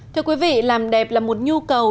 thưa quý vị làm đẹp là một nhu cầu